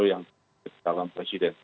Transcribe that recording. yang di dalam presiden